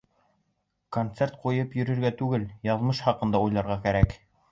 Концерт ҡуйып йөрөргә түгел, яҙмыш хаҡында уйларға кәрәк.